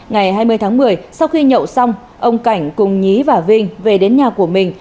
ngày hai mươi tháng một mươi sau khi nhậu xong ông cảnh cùng nhí và vinh về đến nhà của mình